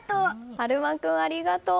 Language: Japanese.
悠将君、ありがとう！